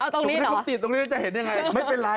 ตรงนี้จะเห็นยังไงไม่เป็นไร